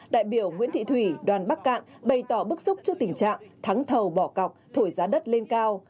đại biểu nguyễn thị thủy đoàn bắc cạn bày tỏ bức xúc trước tình trạng thắng thầu bỏ cọc thổi giá đất lên cao